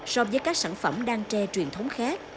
so với các sản phẩm đan tre truyền thống khác